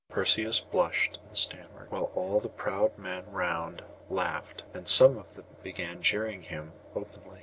Perseus blushed and stammered, while all the proud men round laughed, and some of them began jeering him openly.